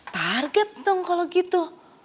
target dong kalau gitu